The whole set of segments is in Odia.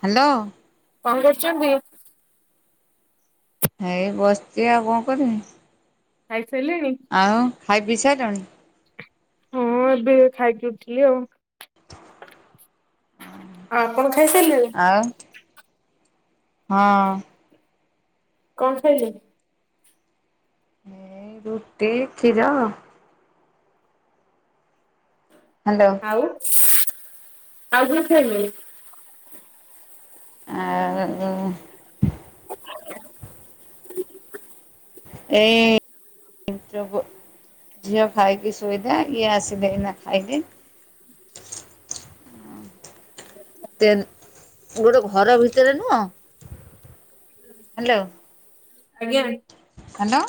ହ୍ୟାଲୋ। କଣ କରୁଛନ୍ତି? ହେଇ ବସିଚି ଆଉ କଣ କରିମି। ଖାଇ ସାଇଲେଣି? ଆଉ ଖାଇ ପିଇ ସାଇଲଣି? ହଁ ଏବେ ଏଇ ଖାଇକି ଉଠିଲି ଆଉ। ଆ ଆପଣ ଖାଇସାଇଲେଣି? ଆଉ ହଁ। କଣ ଖାଇଲେ? ଏ ରୁଟି କ୍ଷୀର। ହ୍ୟାଲୋ। ଆଉ ଆଉ କଣ ଖାଇଲୁଣିି? ଆ, ଆଉ [inaudible] ଏ ଯବ ଝିଅ ଖାଇକି ଶୁଇଥା ଇଏ ଆସିବେ ଏଇନା ଖାଇବେ। [unintelligible] ତେନ୍ ଗୋଟେ ଘର ଭିତରେ ନୁହଁ। ହ୍ୟାଲୋ। ଆଜ୍ଞା। ହ୍ୟାଲୋ।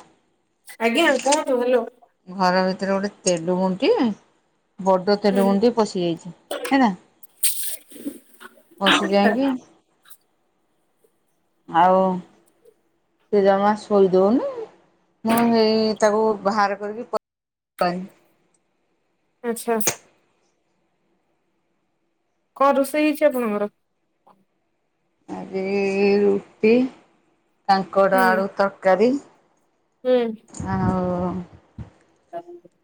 ଆଜ୍ଞା କୁହନ୍ତୁ ହେଲୋ। ଘର ଭିତରେ ଗୋଟେ ତେଲୁଗୁଣ୍ଡି ବଡ ହୁଁ। ତେଲୁଗୁଣ୍ଡି ପସିି ଯାଇଛି ହେଲା, ପସି ଯାଇକି ଆଉ ସେ ଜମା ଶୋଇଦଉନି। ମୁଁ ହେଇ ତାକୁ ବାହାର କରିକି ପ- [inaudible] ଆଚ୍ଛା। କଣ ରୋଷେଇ ହେଇଛି ଆପଣଙ୍କର? ଆଜି ଇ, ରୁଟି କାଙ୍କଡ଼ ହୁଁ ଆଳୁ ତରକାରୀ। ହୁଁ। ଆଉ [unintelligible]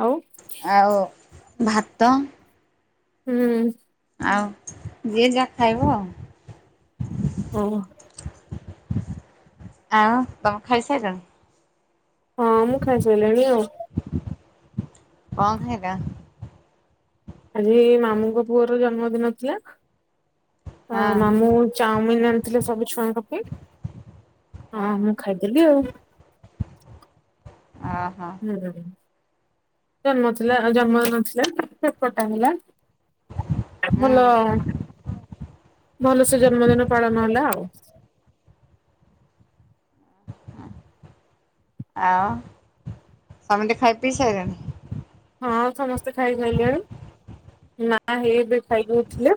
ଆଉ ଆଉ ଭାତ। ହୁଁ। ଆଉ ଯିଏ ଯା ଖାଇବ। ହଁ। ଆଉ ତୋମ ଖାଇସାଇଲଣି? ହଁ ମୁଁ ଖାଇସାଇଲିଣି ଆଉ। କଣ ଖାଇଲ? ଆଜି ଏ ମାମୁଁଙ୍କ ପୁଅର ଜନ୍ମଦିନ ଥିଲା। ଆ ହଁ ମାମୁଁ ଚାଉମିିନ୍ ଆଣିଥିଲେ ସବୁ ଛୁଆଙ୍କ ପାଇଁ ଆ, ହଁ ମୁଁ ଖାଇଦେଲି ଆଉ। ଓହୋ। [unintelligible] ତ ନଥିଲା ଆଉ ଜନ୍ମଥିଲା ଦିନଥିଲା କେକ୍ କଟା ହେଲା। ଏ ହୁଁ ଭଲ ଭଲସେ ଜନ୍ମଦିନ ପାଳନ ହେଲା ଆଉ। ଆଉ ସମସ୍ତେ ଖାଇ ପିଇ ସାରିଲଣି। ହଁ ସମସ୍ତେ ଖାଇସାଇଲେଣି। ନା ହେଇ ଏବେ ଖାଇଦଉଥିଲା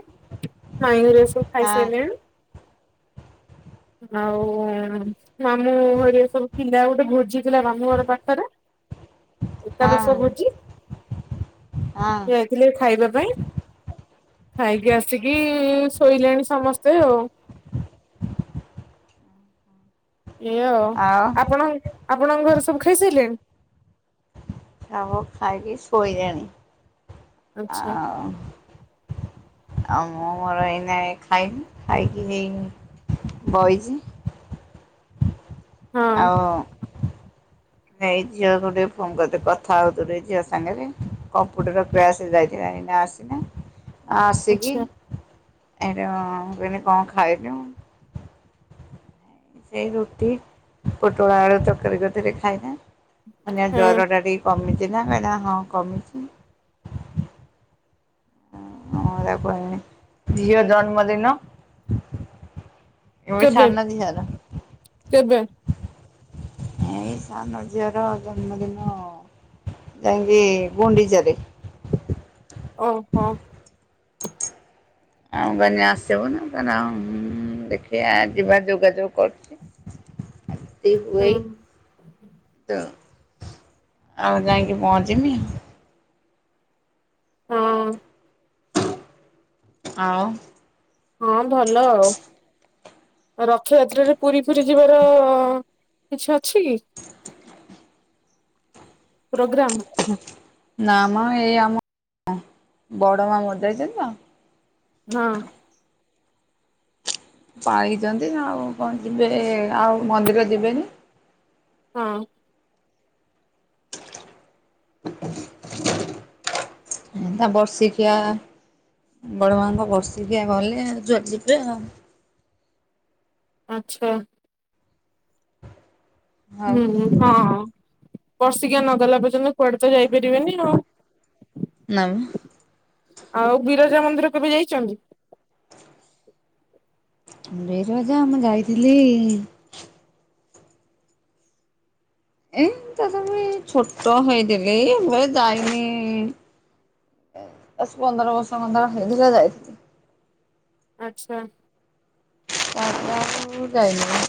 ମା ହାରିକା ସବୁ ହଁ ଖାଇସାରିଲେଣି। ଆଉ ମାମୁଁ ହରିକା ସବୁ ଥିଲା ଗୋଟେ ଭୋଜି ଥିଲା ମାମୁଁ ଘର ପାଖରେ। ହଁ ଏକାଦଶ ଭୋଜି। ହଁ ଯାଇଥିଲେ ଖାଇବା ପାଇଁ ଖାଇକି ଆସିକି ଶୋଇଲେଣି ସମସ୍ତେ ଆଉ ଏଇଆ ଆଉ ଆପଣ ଆପଣଙ୍କ ଘରେ ସବୁ ଖାଇସାରିଲେଣି। ଆମର ସବୁ ଖାଇକି ଶୋଇଲେଣି ଆଚ୍ଛା ଆଉ ଆଉ ମୁଁ ମୋର ଏଇନା ଏଇ ଖାଇନି ଖାଇକି ହେଇ ବଇଚି। ହଁ ଆଉ [inaudible] ନାଇ ଝିଅକୁ ଟିକେ ଫୋନ କରିଥିଲି କଥା ହଉଥିଲି ଟିକେ ଝିଅ ସାଙ୍ଗରେ କମ୍ପୁଟର କ୍ଲାସ। ସେ ଏଇନା ଆସିନି। ଆସିକି ଆଚ୍ଛା ଏଇନେ କଣ ଖାଇଲୁ? ସେଇ ରୁଟି ପୋଟଳ ଆଳୁ ତରକାରୀ କରିଥଲେ ଖାଇଲେ। ମୁ କହିଲି ହଁ ଜ୍ୱରଟା ଟିକେ କମିଛି ନା ହଁ କମିଛି। [unintelligible] ଝିଅ ଜନ୍ମଦିନ। ମୋରି କେବେ ସାନ ଝିଅ ର କେବେ? ଏଇ ସାନ ଝିଅର ଜନ୍ମଦିନ ଯାଇକି ଗୁଣ୍ଡିଚାରେ। ଓହୋ। ଆଉ କହିଲି ଆସିବୁ ନା କହିଲା ଦେଖିବା ଯିବା ଯୋଗାଯୋଗ କରୁଛି। [inaudible] ସେ କୁହେ ଆଉ ଯାଇକି ପହଞ୍ଚିମି। ହଁ। ଆଉ ହଁ ଭଲ ଆଉ ରଥଯାତ୍ରାରେ ପୁରୀ ଫୁରୀ ଯିବାର କିଛି ଅଛି? ପ୍ରୋଗ୍ରାମ? ନା ମ ଏଇ ଆମ ବଡ଼ ମା ମରିଯାଇଛନ୍ତି ତ ହଁ। ପାଲିଛନ୍ତି ଆଉ କଣ ଯିବେ ଆଉ ମନ୍ଦିର ଯିବେନି। ହଁ। [inaudible] ତା ବର୍ଷିକିଆ ବଡ ମାଙ୍କ ବର୍ଷିକିଆ ଗଲେ ଯୁଆଡେ ଯିବେ ଆଉ ଆଛା। ଆଉ ହୁଁ ହଁ। ବର୍ସିକା ନଗଲା ପର୍ଯ୍ୟନ୍ତ କୁଆଡେ ତ ଯାଇପାରିବେନି ଆଉ ନା। ଆଉ ବିରଜା ମନ୍ଦିର କେବେ ଯାଇଛନ୍ତି? ବିରଜା ମୁଁ ଯାଇଥିଲି। ଏ ତା ତ ମୁ ଛୋଟ ହେଇଥିଲି ଏବେ ଯାଇନି। ଉଁ ଦଶ ପନ୍ଦର ବର୍ଷ ଖଣ୍ଡେ ହେଇଥିଲା ଯାଇଥିଲି। ଆଚ୍ଛା। ତାାପରେ ମୁଁ ଯାଇନି।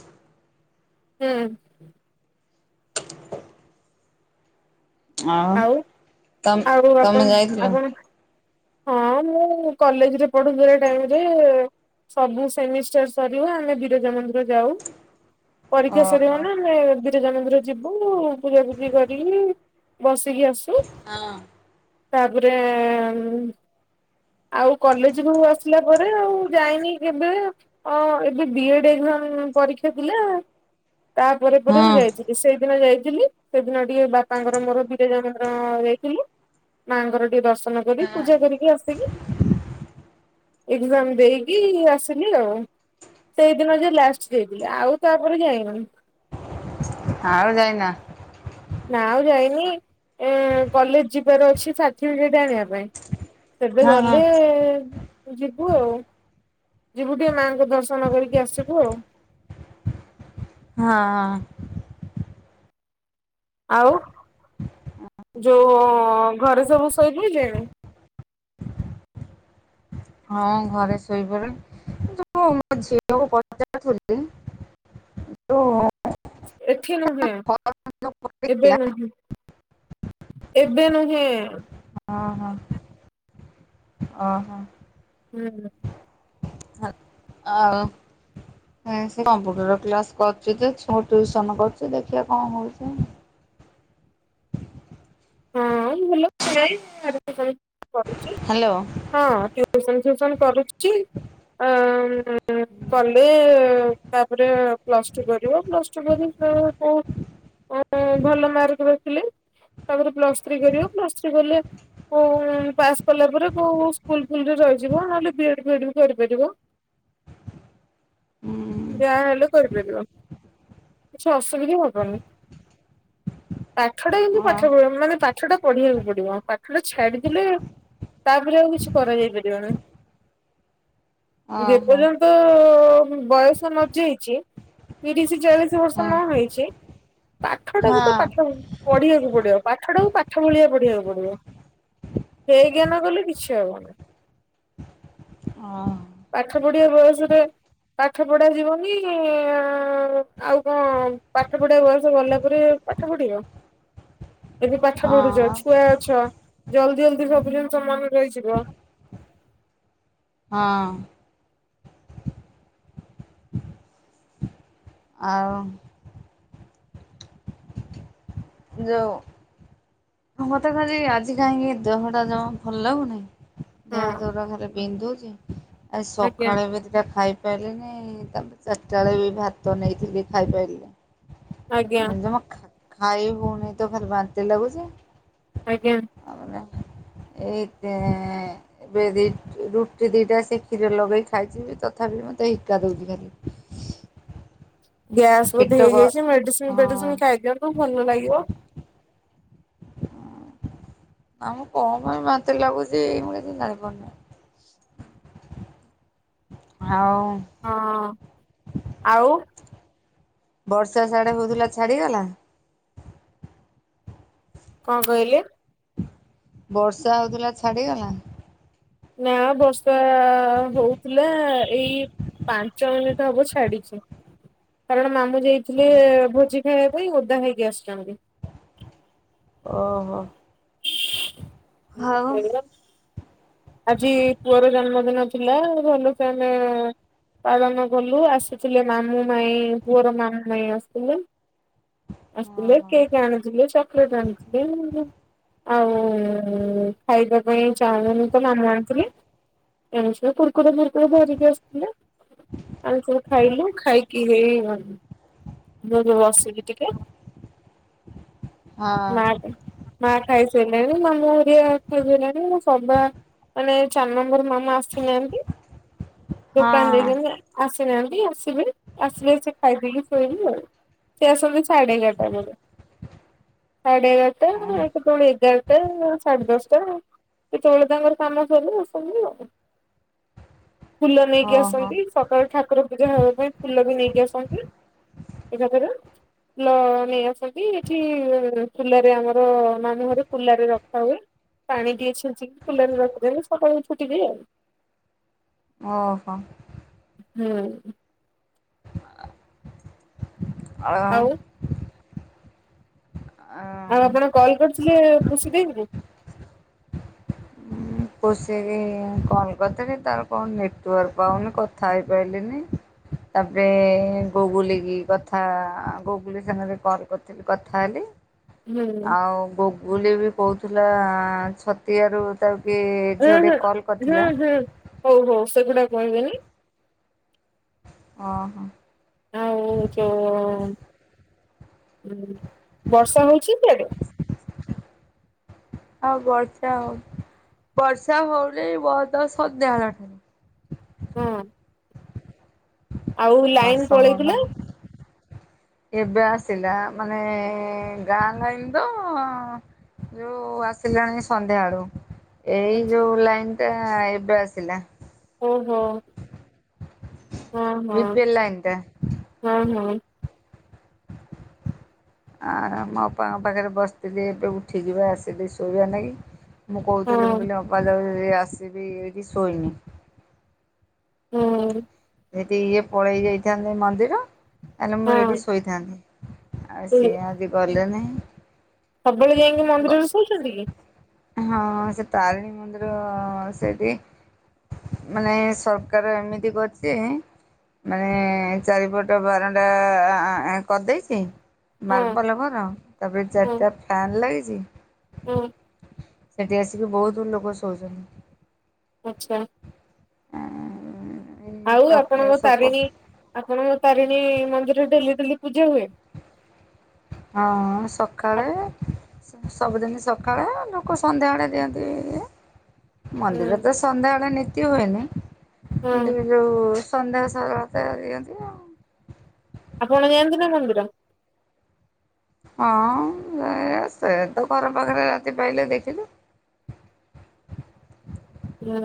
ହୁଁ‌। ଆଉ, ତମ ଆଉ [inaudible] ତମେ ଆପଣ ଯାଇଥିଲ? ଆପଣ ହଁଅ ମୁଁ କଲେଜରେ ପଢୁଥିଲା ଟାଇମରେ ସବୁ ସେମିଷ୍ଟର ସରିବ ଆମେ ବିରଜା ମନ୍ଦିର ଯାଉ। ପରୀକ୍ଷା ସରିିବ ଓହୋ। ନା ଆମେ ବି ବିରଜା ମନ୍ଦିର ଯିବୁ ପୂଜାପୁଜି କରିକି ବସିକି ଆସୁ। ହଁ‌। ତାପରେ ଆଉ କଲେଜରୁ ଆସିଲା ପରେ-ଏ-ଏ ଆଉ ଯାଇନି କେବେ। ଅଁ ଏବେ ବି ଏଡ୍ ଏକ୍ଜାମ ପରୀକ୍ଷା ଥିଲା। ତାପରେ ପରେ ମୁଁ ହଁ ଯାଇଥିଲି ସେଇଦିନ ଯାଇଥିଲି। ସେଦିନ ଟିକେ ବାପାଙ୍କର ମୋର ବିରଜା ମନ୍ଦିର-ଅ-ଅ ଯାଇଥିଲୁ ମାଆଙ୍କର ଟିକେ ଦର୍ଶନ କରି ପୂଜା କରିକି ଆସିଲି, ଏକ୍ଜାମ ଦେଇକି ଆସିଲି ଆଉ। ସେଇ ଦିନ ଯେ ଲାଷ୍ଟ ଯାଇଥିଲୁ ଆଉ ତାପରେ ଯାଇନୁ। ଆଉ ଯାଇନ? ନା ଆଉ ଯାଇନି, ଉଁ-ଉଁ କଲେଜ ଯିବାର ଅଛି ସାର୍ଟିଫିକେଟ ଆଣିବା ପାଇଁ। ସେବେ ହଁ ହଁ ଗଲେ ଯିବୁ ଆଉ, ଯିବୁ ଟିକେ ମାଆଙ୍କୁ ଦର୍ଶନ କରିକି ଆସିବୁ ଆଉ। ହଁଅ-ଅ। ଆଉ, ଯୋଉ-ଉ-ଉ-ଉଁ ଘରେ ସବୁ ଶୋଇପଡିଲେଣି? ହଁ ଘରେ ଶୋଇପଡିଲେଣି। [inaudible] ପଚାରୁଥିଲି ଓ-ଓ ଏଠି ନୁହେଁ [inaudible] ଏବେ ନୁହେଁ, ଏବେ ନୁହେଁ ଓ ହଁ ଓ ହଁ। ହୁଁ। ଆଉ ଉଁ ସେ କମ୍ପୁଟର କ୍ଲାସ୍ କରୁଛି ଯେ ଛୁଆଙ୍କୁ ଟ୍ୟୁସନ କରୁଛି ଦେଖିବା କଣ ହଉଛି। ହଁଅ-ଅ ଭଲ [inaudible] ପଢୁଛି। ହ୍ୟାଲୋ। ହଁଅ ଟ୍ୟୁସନ ଫ୍ୟୁସନ କରୁଛି, ଅଁ-ଅଁ-ଅଁ-ଅଁ [inaudible] କଲେ-ଏ-ଏ-ଏ ତାପରେ ପ୍ଲସ୍ ଟୁ କରିବ, ପ୍ଲସ୍ ଟୁ ପରେ [inaudible] ଅଁ-ଅଁ-ଅଁ ଭଲ ମାର୍କ ରଖିଲେ ତାପରେ ପ୍ଲସ୍ ଥ୍ରୀ କରିବ, ପ୍ଲସ୍ ଥ୍ରୀ କଲେ ଅଁ-ଅଁ ପାସ୍ କଲା ପରେ କୋଉ ସ୍କୁଲ ଫୁଲରେ ରହିଯିବ ନହେଲେ ବି ଏଡ୍ ଫିଏଡ୍ ବି କରିପାରିବ। ହୁଁ ଯାହେଲେ କରି ପାରିବ। କିଛି ଅସୁବିଧା ହବନି, ପାଠଟା ଯେମିତି ଓ ପାଠ୍ ମାନେ ପାଠଟା ପଢିବାକୁ ପଡିବ ପାଠଟା ଛାଡିଦେଲେ ତାପରେ ଆଉ କିଛି କରାଯାଇ ପାରିବ ନାହିଁ, ଓହୋ ଯେପର୍ଯ୍ୟନ୍ତ୍ ତ-ଅ-ଅ-ଅ ବୟସ ନ ଯାଇଛି ତିରିଶ ଚାଳିଶ୍ [inaudible] ବର୍ଷ ହଁ ନ ହେଇଛି ପାଠଟାକୁ ତ ହଁ ପାଠ ପଢିବାକୁ ପଡି ଡିବ, ପାଠଟାକୁ ପାଠ ଭଳିଆ ପଢିବାକୁ ପଡିବ, ହେୟଜ୍ଞାନ କଲେ କିଛି ହବନି। ହଁ। ପାଠ ପଢିବା ବୟସରେ ପାଠ ପଢା ଯିବକି ଆଉ କଣ ପାଠ ପଢା ବୟସ ଭଲ ପରେ ପାଠ ପଢିବ। ଏବେ ପାଠ ପଢୁଛ ହଁ ଛୁଆ ଅଛ ଜଲଦି ଜଲଦି ସବୁ ଜିନିଷ ମନେ ରହିଯିବ। ହଁ। ଆଉ। ଯୋ ହଁ ମତେ ଭାରି ଆଜି କାହିଁକି ଦେହଟା ଜମା ଭଲ ଲାଗୁନି। ଦେହ ହଁ ହାତ ଗୁଡ଼ା ଖଲି ବିନ୍ଧୁଛି ଆ ଆଜ୍ଞା ସକାଳେ ବିଟା ଖାଇ ଖପାରନି ତାପରେ ଚାରିଟା ବେଳେ ବି ଭାତ ନେଇଥିଲି ଆଜ୍ଞା ଖାଇପାରିଲିନା। ଜମା ଖାଇ ହଉନି ତ ଖାଲି ବାନ୍ତି ଲାଗୁଛି। ଆଜ୍ଞା। ଆମର ଏଇ ତେ ଏବେ ଦି ରୁଟି ଦିଟା ସେ କ୍ଷୀରରେ ଲଗେଇ ଖାଇଛି ତଥାପି ମତେ ହିକା ଦଉଛି ଖାଲି। ଗ୍ୟାସ୍ ପେଟ ବୋଧେ ଗ ହେଇଯାଇଛି ମେଡିସିନ ହଁ ଫେଡିସିନ ଖାଇ ଦିଅନ୍ତୁ ଭଲ ଲାଗିବ। ହଁ ଆମକୁ କଣ ପାଇଁ ବାନ୍ତିରେ ଲାଗୁଛି ମୁଁ କିଛି ଜାଣିପାରୁନି। ହଉ ହଁ ଆଉ ବର୍ଷା ସଢେ ହଉଥିଲା ଛାଡିଗଲା? କଣ କହିଲେ? ବର୍ଷା ହଉଥିଲା ଛାଡିଗଲା? ନା ବର୍ଷା ହଉଥିଲା ଏଇ ପାଞ୍ଚ ମିନିଟ୍ ହବ ଛାଡିଛି। କାରଣ ମାମୁଁ ଯାଇଥିଲେ ଭୋଜି ଖାଇବା ପାଇଁ ଓଦା ହେଇକି ଆସିଛନ୍ତି। ଓହୋ। ହ ଆଉ ସେଆ ଆଜି ପୁଅର ଜନ୍ମଦିନ ଥିଲା ଭଲ ସେ ଆମେ ପାଳନ କଲୁ ଆସିଥିଲେ ମାମୁଁ ମାଇଁ ପୁଅର ମାମୁଁ ମାଇଁ ଆସିଥିଲେ। ଆସଥିଲେ ଓହୋ କେକ୍ ଆଣିଥିଲଥ ଚକଲେଟ ଆଣିଥିଲ ଆଉ ଖାଇବା ପାଇଁ ଚାଉଳନ ତ ମାମୁଁ ଆଣିଥିଲେ। ଏମୁ ସବୁ କୁର୍କୁରେ ମୂର୍କୁରେ ଧରିକି ଆସିଥିଲେ ଆମ ସବୁ ଖାଇଲୁ ଖାଇକି କି ହେଇ ମୁଁ ଏବେ ବସିବି ଟିକେ। ହଁ ମା ମା ଖାଇସାରିଲଣି ମାମୁଁ ଓରିଆ ଖାଇସିଲଣି ମୋ ସବା ମାନେ ଚାରି ନମ୍ବର ମାମା ଆସିନାହାନ୍ତି ଦୋକାନ ହଁ ଦେଇଛନ୍ତି ଯେ ଆସିନାହାନ୍ତି ଆସିବେ ଆସିଲେ ସେ ଖାଇପିଇକି ଶୋଇବି ଆଉ ସେ ଆସନ୍ତୁ ସାଢ଼େ ଏଗାରଟା ବେଳେ ସାଢ଼େ ଏଗାରଟା କେତେ ବେଳେ ଏଗାର ଟା ସାଢେ ଦଶଟା କେତେବେଳେ ତାଙ୍କର କାମ ସଲେ ଆସନ୍ତି ଆଉ। ଫୁଲ ନେଇକି ଓହୋ ଆସନ୍ତି ସକାଳ ଠାକୁର ପୂଜା ହେବା ପାଇଁ ଫୁଲ ବି ନେଇକି ଆସନ୍ତି। ଏକାଥର ଲ ନେଇ ଆସନ୍ତି ଏଠି କୁଲାରେ ଆମର ମାମୁଁ ଘରେ କୁଲରେ ରଖା ହୁଏ। ପାଣି ଟିଏ ଛିଞ୍ଚିକି କୁଲାରରେ ରଖିଦେଲେ ସକାଳକୁ ଫୁଟି ବେ ଆଉ। ଓହୋ। ହୁଁ। ଆ ଆଉ ଆଉ ଆପଣ କଲ୍ କରିଥିଲେ ଖୁସି ଦେଇ ଖୁସୀ କି କଲ୍ କରିଥିଲି ତାର କଣ ନେଟୱାର୍କ ପାଉନି କଥା ହେଇପାରିଲିନି। ତାପରେ ଗୁଗୁଲି କି କଥା ଗୁଗୁଲି ସାଙ୍ଗରେ କଲ୍ କରି କଥା ହେଲି ହୁଁ ହୁଁ ଆଉ ଗୁଗୁଲି ବି କହୁଥିଲା ଛତିଆରୁ ତାକୁ କିଏ ହୁଁ ହୁଁ ହୁଁ ହୁଁ ହଉ ହଉ ସେଗୁଡା କହିବେନି ଓ ହୋ। ଆଉ ଯୋଉ ଉ ବର୍ଷା ହଉଛି ସିଆଡେ? ହଁ ବର୍ଷା ହଉଚି ବର୍ଷା [inaudible] ହଁ। ଆଉ ଲାଇନ ହସ ପଳେଇଥିଲା ବନ୍ଦ। ଏବେ ଆସିଲା ମାନେ ଗାଁ ଭାଈ ତ ଯୋଉ ଆସିଲାଣି ସନ୍ଧ୍ୟା ଆଳୁ ଏଇ ଆଛା ଯୋଉ ଲାଇନ ଟା ଏବେ ଆସିଲା। ଓହୋ ହଁ ହଁ ବି ପି ଏଲ ଲାଇନ ଟା। ହଁ ହଁ। ଆ ମୋ ଅପାଙ୍କ ପାଖରେ ବସିଥିଲି ଏବେ ଉଠିକି ବା ଆସିଲି ଶୋଇବା ଲାଗି। ମୁଁ କହୁଥିଲି ମୁଁ ହଁ। କହିଲି ଅପା ଯାଉଚି ଆସିବି ଏଇଠି ଶୋଇବି ହୁଁ। ହେଟି ଇଏ ପଳେଇ ଯାଇଥାନ୍ତେ ମନ୍ଦିର ତାହେଲେ ମୁଁ ହଁ ଏଇଠି ଶୋଇଥାନ୍ତି। ଆଉ ସିଏ ଆଜି ଗଲେନାହିଁ ସବୁବେଳେ ଯାଇକି ମନ୍ଦିରରେ ଶଉଛନ୍ତି କି? ହଁ ସେ ତାରିଣୀ ମନ୍ଦିର ସେଇଠି ମାନେ ସରକାର ଏମିତି କରିଚି ମାନେ ଚାରିପଟ ବାରଣ୍ଡା କରିଦେଇଛି ହଁ ମାର୍ବଲ ଘର ତାପରେ ଚାରିଟା ଫ୍ୟାନ୍ ଲାଗିଛି ହୁଁ। ସେଠି ଆସିକି ବହୁତ ଲୋକ ଶୋଉଛନ୍ତି। ଆଚ୍ଛା। ଏଇ ଆଉ ତକିଆ ଆପଣଙ୍କ ସବୁ ତାରିଣୀ ଆପଣଙ୍କ ତାରିଣୀ ମନ୍ଦିରରେ ଡେଲି ଡେଲି ପୂଜା ହୁଏ? ହଁ ସକାଳେ ଆପ ସବୁଦିନ ସକାଳେ ଲୋକ ସନ୍ଧ୍ୟାବେଳେେ ଦିଅନ୍ତି ଇଏ ମନ୍ଦିର ହୁଁ ତ ସନ୍ଧ୍ୟାଳେ ନିତି ହୁଏନି ହଁ କିନ୍ତୁ ଯୋଉ ସନ୍ଧ୍ୟା [inaudible] ଆପଣ ଯାନ୍ତିନା ମନ୍ଦିର? ହଁ ସେ ତ ଘର ପାଖରେ ରାତି ପାଇଲେ ଦେଖିଲୁ ହୁଁ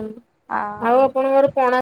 ଆଉ ଆପଣଙ୍କର ପଣା